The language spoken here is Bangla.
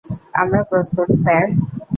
আমরা প্রস্তুত, স্যার।